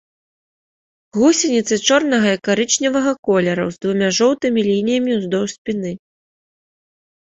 Гусеніцы чорнага і карычневага колераў з двума жоўтымі лініямі ўздоўж спіны.